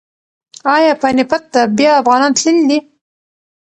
ایا پاني پت ته بیا افغانان تللي دي؟